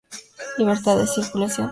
Libertad de circulación".